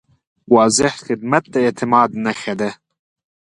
واضح خدمت د اعتماد نښه ده.